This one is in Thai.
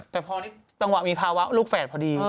แต่พอจังหวะมีภาวะลูกแฝดพอดี